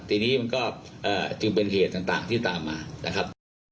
ทีนี้มันก็จึงเป็นเหตุต่างที่ตามมานะครับ